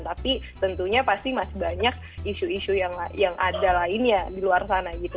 tapi tentunya pasti masih banyak isu isu yang ada lainnya di luar sana gitu